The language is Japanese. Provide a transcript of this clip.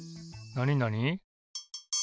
なになに？